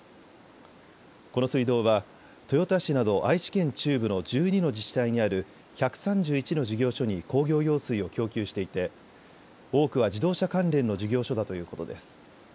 この水道は豊田市など愛知県中部の１２の自治体にある１３１の事業所に工業用水を供給していて多くは自動車関連の事業所だということです。